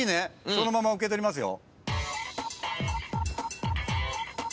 そのまま受け取りますよ。